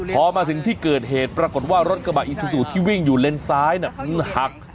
พอมาถึงที่เกิดเหตุปรากฏว่ารถกระบะอิซูซูที่วิ่งอยู่เลนซ้ายมันหัก